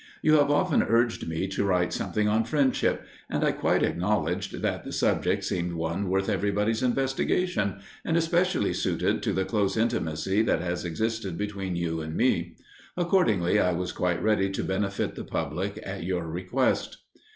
You have often urged me to write something on Friendship, and I quite acknowledged that the subject seemed one worth everybody's investigation, and specially suited to the close intimacy that has existed between you and me. Accordingly I was quite ready to benefit the public at your request.